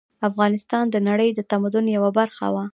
افغانستان د نړۍ د تمدن یوه برخه وه